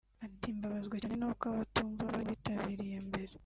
Ati “Mbabazwa cyane n’uko abatumva bari mu bitabiriye mbere